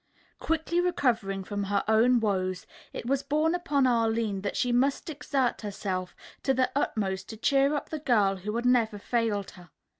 Quickly recovering from her own woes, it was borne upon Arline that she must exert herself to the utmost to cheer up the girl who had never failed her.